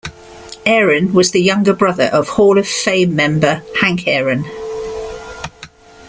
Aaron was the younger brother of Hall of Fame member, Hank Aaron.